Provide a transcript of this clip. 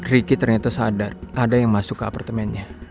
riki ternyata sadar ada yang masuk ke apartemennya